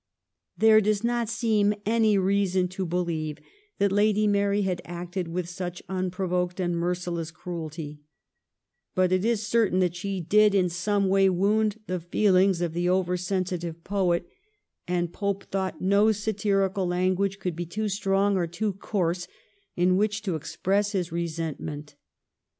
There does not seem any reason to believe that Lady Mary had acted with such unprovoked and merciless cruelty; but it is certain that she did in some way wound the feelings of the over sensitive poet, and Pope thought no satirical language could be too strong or too coarse in which to express his resentment.